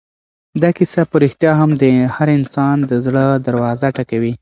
دا کیسه په رښتیا هم د هر انسان د زړه دروازه ټکوي.